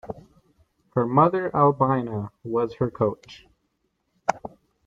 Her mother, Albina, was her coach.